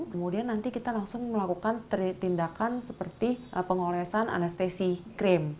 kemudian nanti kita langsung melakukan tindakan seperti pengolesan anestesi krim